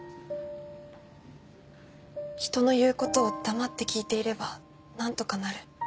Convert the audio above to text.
人の言う事を黙って聞いていればなんとかなる。